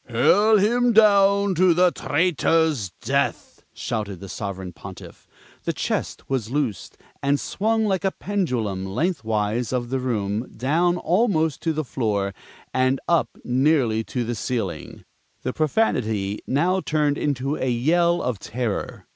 "Hurl him down to the traitor's death!" shouted the Sovereign Pontiff. The chest was loosed, and swung like a pendulum lengthwise of the room, down almost to the floor and up nearly to the ceiling. The profanity now turned into a yell of terror.